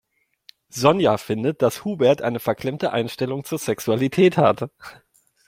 Sonja findet, dass Hubert eine verklemmte Einstellung zur Sexualität hat.